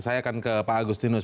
saya akan ke pak agustinus